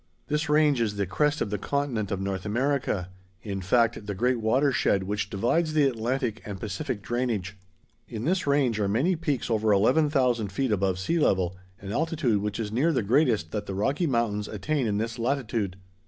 This range is the crest of the continent of North America, in fact the great water shed which divides the Atlantic and Pacific drainage. In this range are many peaks over 11,000 feet above sea level, an altitude which is near the greatest that the Rocky Mountains attain in this latitude.